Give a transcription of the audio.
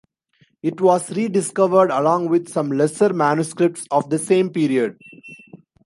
It was rediscovered along with some lesser manuscripts of the same period.